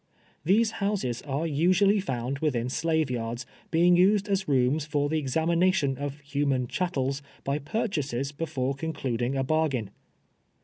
These houses are susually found within sla\'e yards, being used as rooms for the examination of human chattels by purchasers before concluding a bargain.